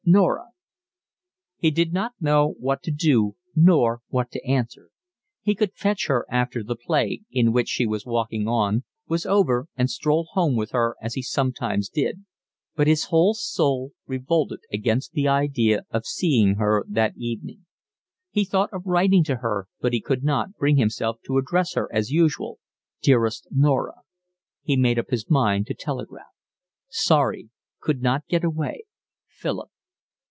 Norah. He did not know what to do nor what to answer. He could fetch her after the play, in which she was walking on, was over and stroll home with her as he sometimes did; but his whole soul revolted against the idea of seeing her that evening. He thought of writing to her, but he could not bring himself to address her as usual, dearest Norah. He made up his mind to telegraph. Sorry. Could not get away, Philip.